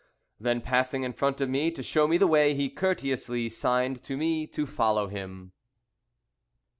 Then passing in front of me to show me the way he courteously signed to me to follow him.